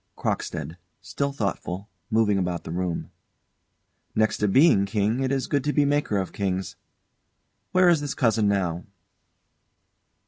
CROCKSTEAD. [Still thoughtful, moving about the room.] Next to being king, it is good to be maker of kings. Where is this cousin now?